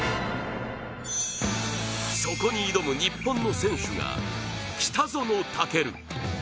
そこに挑む日本の選手が、北園丈琉。